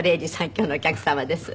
今日のお客様です。